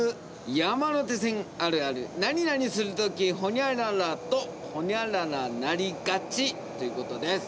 「山手線あるあるなになにするときホニャララとホニャララなりがち」。ということです。